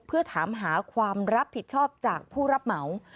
เพื่อถามหาความรับผิดชอบจากผู้รับเหมา